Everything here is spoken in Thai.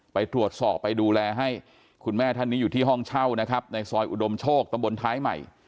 ไปตรวจสอบไปดูแลให้คุณแม่ท่านนี้อยู่ที่ห้องเช่านะครับในซอยอุดมโชคตำบลท้ายใหม่